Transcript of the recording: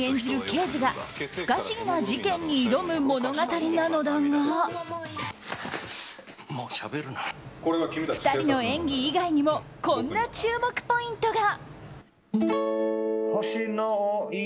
刑事が不可思議な事件に挑む物語なのだが２人の演技以外にもこんな注目ポイントが。